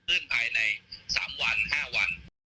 จะเริ่มภายใน๓วัน๕วัน